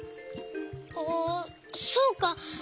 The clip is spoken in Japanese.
あそうか。